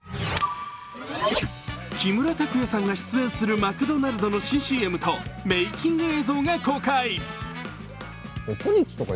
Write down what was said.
木村拓哉さんが出演するマクドナルドの新ＣＭとメイキング映像が公開。